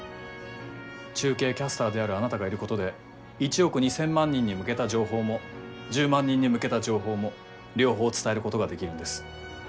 中継キャスターであるあなたがいることで１億２，０００万人に向けた情報も１０万人に向けた情報も両方伝えることができるんです。